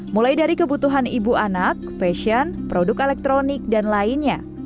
mulai dari kebutuhan ibu anak fashion produk elektronik dan lainnya